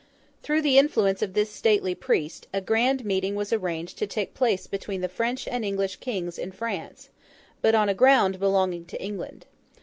Through the influence of this stately priest, a grand meeting was arranged to take place between the French and English Kings in France; but on ground belonging to England.